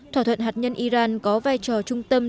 thỏa thuận hạt nhân iran có vai trò trung tâm